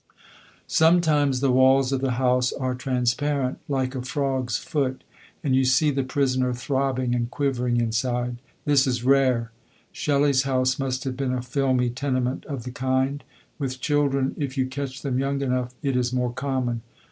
Sometimes the walls of the house are transparent, like a frog's foot, and you see the prisoner throbbing and quivering inside. This is rare. Shelley's house must have been a filmy tenement of the kind. With children if you catch them young enough it is more common.